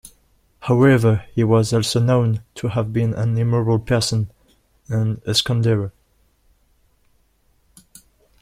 However, he was also known to have been an immoral person and a squanderer.